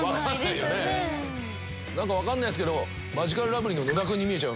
何か分かんないんすけど。